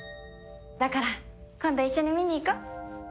だから今度一緒に見に行こう！